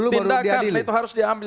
tindakan itu harus diambil